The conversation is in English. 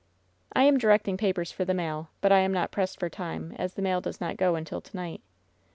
"I am directing papers for the mail, but I am not pressed for time, as the mail does not go until to night."